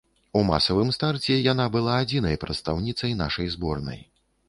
У масавым старце яна была адзінай прадстаўніцай нашай зборнай.